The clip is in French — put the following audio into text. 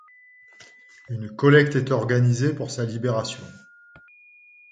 Une collecte est organisée pour sa libération.